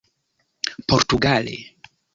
portugale